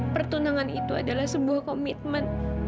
pertunangan itu adalah sebuah komitmen